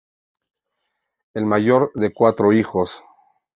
El mayor de cuatro hijos.